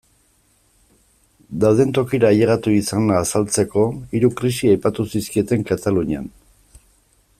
Dauden tokira ailegatu izana azaltzeko, hiru krisi aipatu zizkieten Katalunian.